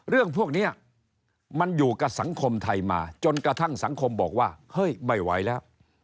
เรื่องพวกนี้มันอยู่กับสังคมไทยมาจนกระทั่งสังคมบอกว่าเฮ้ยไม่ไหวแล้ว